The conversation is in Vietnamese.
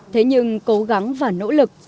thế nhưng cố gắng và nỗ lực